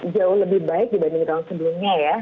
jauh lebih baik dibanding tahun sebelumnya ya